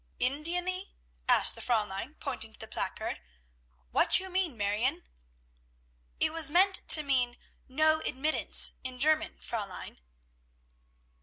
"Indianee?" asked the Fräulein, pointing to the placard. "What you mean, Marione?" "It was meant to mean 'No Admittance' in German, Fräulein."